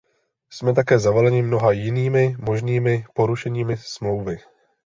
Jsme také zavaleni mnoha jinými možnými porušeními Smlouvy.